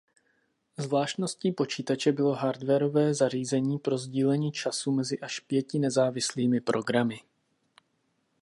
Zvláštností počítače bylo hardwarové zařízení pro sdílení času mezi až pěti nezávislými programy.